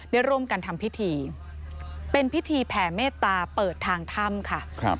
ได้ร่วมกันทำพิธีเป็นพิธีแผ่เมตตาเปิดทางถ้ำค่ะ